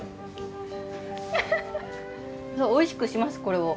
おいしくしますこれを。